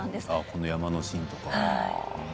この山のシーンとか。